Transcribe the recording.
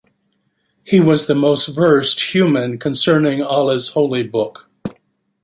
He was the most versed human concerning Allah's holy book.